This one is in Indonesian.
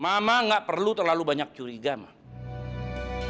mama gak perlu terlalu banyak curiga mah